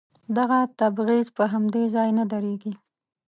دغه تبعيض په همدې ځای نه درېږي.